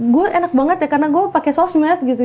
gue enak banget ya karena gue pakai sosmed gitu